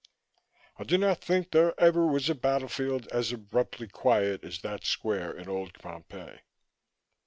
I do not think there ever was a battlefield as abruptly quiet as that square in old Pompeii.